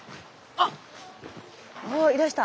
ああいらした。